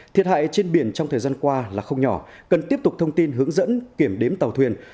thiệt hại trên biển trong thời gian qua là không nhỏ cần tiếp tục thông tin hướng dẫn kiểm đếm tàu thuyền